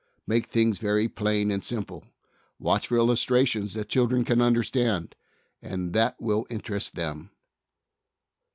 Make things very plain and simple. Watch for illustrations that the children can under stand, and that will interest them.